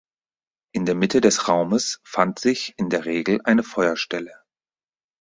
In der Mitte des Raumes fand sich in der Regel eine Feuerstelle.